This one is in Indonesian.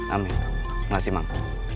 amin makasih mama